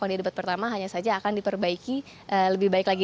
karena di debat pertama hanya saja akan diperbaiki lebih baik lagi